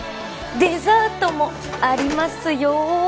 デザートもありますよ